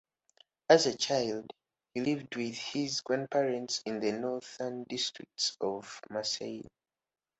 As a child, he lived with his grandparents in the northern districts of Marseille.